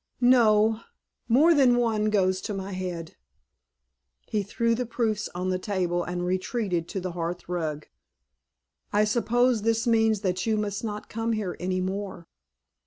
"No; more than one goes to my head." He threw the proofs on the table and retreated to the hearth rug. "I suppose this means that you must not come here any more?"